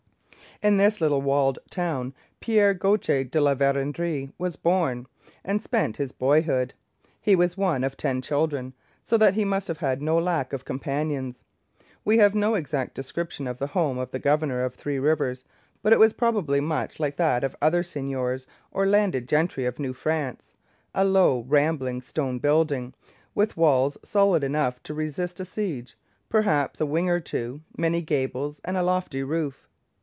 In this little walled town Pierre Gaultier de La Vérendrye was born, and spent his boyhood. He was one of ten children, so that he must have had no lack of companions. We have no exact description of the home of the governor of Three Rivers, but it was probably much like that of other seigneurs or landed gentry of New France a low, rambling, stone building, with walls solid enough to resist a siege, perhaps a wing or two, many gables, and a lofty roof.